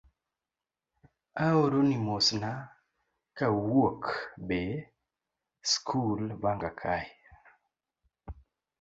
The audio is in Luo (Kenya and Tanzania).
aoroni mosna kawuokb e skul Vanga kae,